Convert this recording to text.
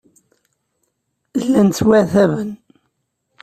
Llan ttwaɛettaben.